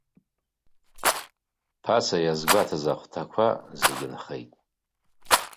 Ԥаса иазгәаҭаз ахәҭақәа зегьы нхеит.